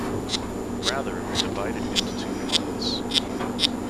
Rather, divide it into two parts.